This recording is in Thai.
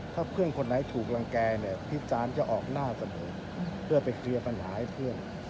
ถ้าเพื่อนคนไหนถูกรังแก่เนี่ยพิจารณ์จะออกหน้าเสมอเพื่อไปเคลียร์ปัญหาให้เพื่อน